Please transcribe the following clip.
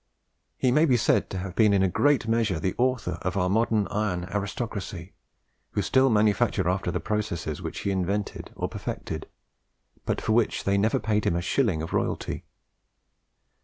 He may be said to have been in a great measure the author of our modern iron aristocracy, who still manufacture after the processes which he invented or perfected, but for which they never paid him a shilling of royalty.